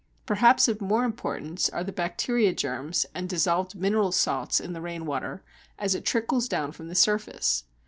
Perhaps of more importance are the bacteria germs, and dissolved mineral salts in the rainwater as it trickles down from the surface.